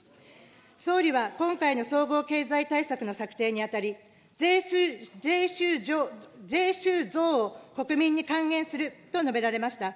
総理は今回の総合経済対策の策定にあたり、税収増を国民に還元すると述べられました。